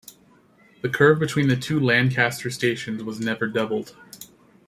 The curve between the two Lancaster stations was never doubled.